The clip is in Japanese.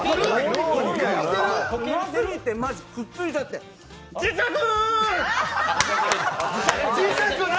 うますぎて、まずくっついちゃってじしゃく！！